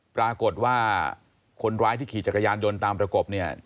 ปรากฏว่าคนร้ายที่ขี่จักรยานยนต์ตามประกบเนี่ย